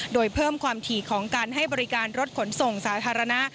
โดยเพิ่มความถี่ของการให้บริการรถขนส่งสาธารณะ